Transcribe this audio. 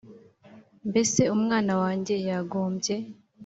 Mbese umwana wanjye yagombye